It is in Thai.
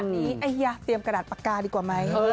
อันนี้เตรียมกระดาษปากกาดีกว่าไหม